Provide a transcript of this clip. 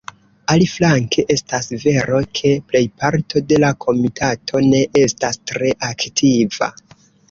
Aliflanke estas vero ke plejparto de la Komitato ne estas tre aktiva.